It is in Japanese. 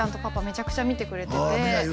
めちゃくちゃ見てくれててああ